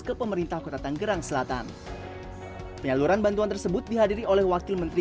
ke pemerintah kota tanggerang selatan penyaluran bantuan tersebut dihadiri oleh wakil menteri